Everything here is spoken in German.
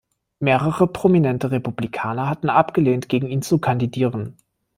Mehrere prominente Republikaner hatten abgelehnt, gegen ihn zu kandidieren.